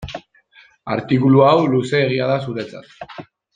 Artikulu hau luzeegia da zuretzat.